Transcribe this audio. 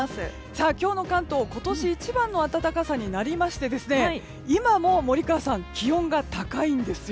今日の関東、今年一番の暖かさとなりまして今も森川さん気温が高いんですよ。